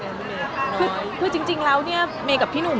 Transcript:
ใช่ไหมที่น่ะเขื่อจริงแล้วเนี้ยเมกับพีุ่่ม